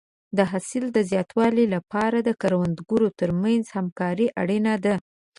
د حاصل د زیاتوالي لپاره د کروندګرو ترمنځ همکاري اړینه ده.